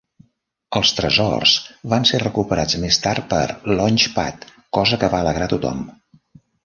Els tresors van ser recuperats més tard per Launchpad, cosa que va alegrar tothom.